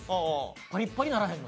パリッパリならへんの？